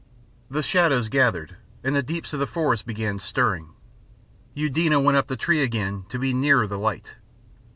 The shadows gathered, and the deeps of the forest began stirring. Eudena went up the tree again to be nearer the light.